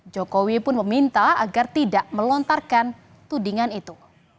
jokowi pun meminta agar tidak melontarkan tudingan itu